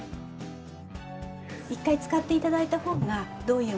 １回使って頂いた方がどういうものか。